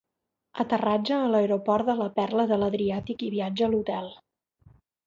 Aterratge a l'aeroport de la Perla de l'Adriàtic i viatge a l'hotel.